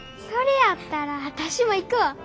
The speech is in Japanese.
それやったら私も行くわ。